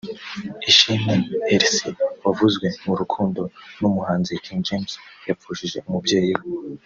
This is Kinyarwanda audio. Ishimwe Elcy wavuzwe mu rukundo n’umuhanzi King James yapfushije umubyeyi we